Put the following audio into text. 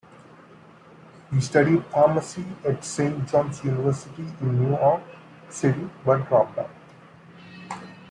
He studied pharmacy at Saint John's University in New York City but dropped out.